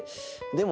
でも。